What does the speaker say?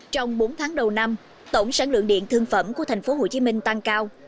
trong bốn tháng đầu năm tổng sản lượng điện thương phẩm của tp hcm tăng cao